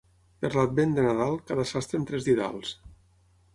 Per l'Advent de Nadal, cada sastre amb tres didals.